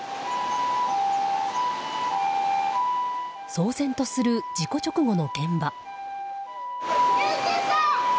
騒然とする事故直後の現場。